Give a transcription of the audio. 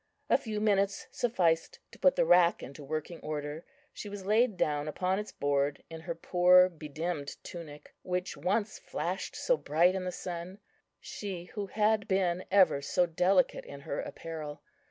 A few minutes sufficed to put the rack into working order. She was laid down upon its board in her poor bedimmed tunic, which once flashed so bright in the sun,—she who had been ever so delicate in her apparel.